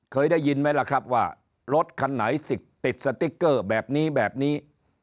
เคยได้ยินไหมล่ะครับว่ารถคันไหนติดสติ๊กเกอร์แบบนี้แบบนี้